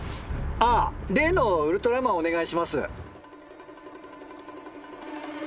あぁ例のウルトラマンお願いします。